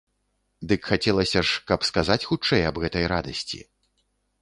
Дык хацелася ж, каб сказаць хутчэй аб гэтай радасці.